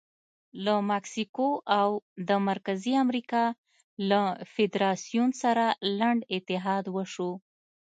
له مکسیکو او د مرکزي امریکا له فدراسیون سره لنډ اتحاد وشو.